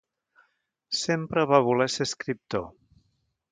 Sempre va voler ser escriptor.